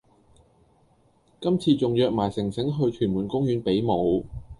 今次仲約埋城城去屯門公園比舞